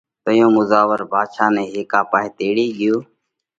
تئيون مُزاور ڀاڌشا نئہ هيڪئہ پاهئہ تيڙي ڳيو